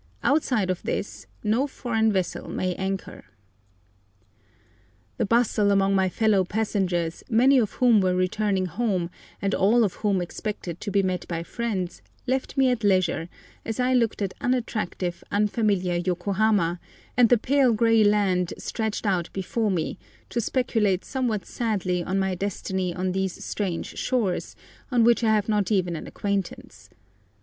Outside of this no foreign vessel may anchor. The bustle among my fellow passengers, many of whom were returning home, and all of whom expected to be met by friends, left me at leisure, as I looked at unattractive, unfamiliar Yokohama and the pale grey land stretched out before me, to speculate somewhat sadly on my destiny on these strange shores, on which I have not even an acquaintance.